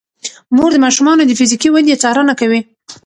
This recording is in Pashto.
مور د ماشومانو د فزیکي ودې څارنه کوي.